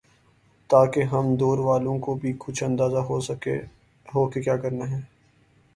تاکہ ہم دور والوں کو بھی کچھ اندازہ ہوکہ کیا کرنا ہے ہم نے